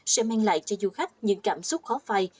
sẽ mang lại cho du khách những cảm xúc khó phai